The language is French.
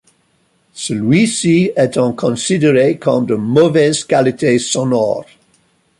Celui-ci étant considéré comme de mauvaise qualité sonore.